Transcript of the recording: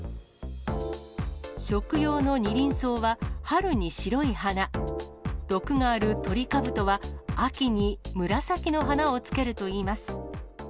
食用のニリンソウは、春に白い花、毒があるトリカブトは、秋に紫の花をつけるといいます。